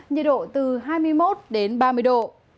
nhiệt độ từ hai mươi một đến ba mươi độ